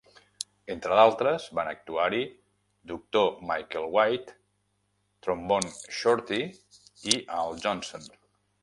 Entre d'altres, van actuar-hi Doctor Michael White, Trombone Shorty i Al Johnson.